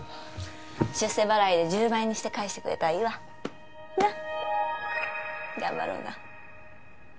出世払いで１０倍にして返してくれたらいいわなっ？